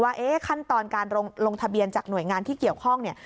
ว่าขั้นตอนการลงทะเบียนจากหน่วยงานที่เกี่ยวข้องเนี่ย